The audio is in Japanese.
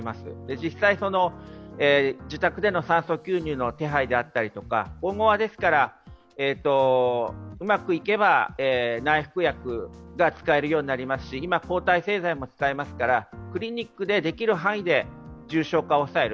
実際、自宅での酸素吸入の手配であったりとか今後はうまくいけば内服薬が使えるようになりますし今、抗体製剤も使えますから、クリニックでできる範囲で重症化を抑える。